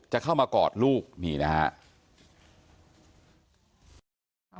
จะเข้ามากอดลูกนี่นะฮะ